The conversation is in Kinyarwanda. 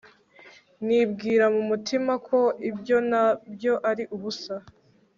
nibwira mu mutima ko ibyo na byo ari ubusa